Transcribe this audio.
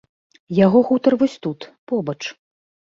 Яго хутар вось тут, побач.